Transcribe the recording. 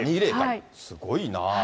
すごいな。